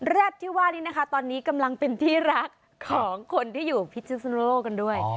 รัฐที่ว่านี้นะคะตอนนี้กำลังเป็นที่รักของคนที่อยู่พิศนุโลกกันด้วย